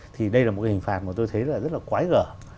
thì đây là một hình phạt mà tôi thấy rất là quái gở